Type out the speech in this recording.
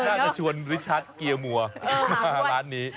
น่าจะชวนริชัดเกียร์มัวมาร้านนี้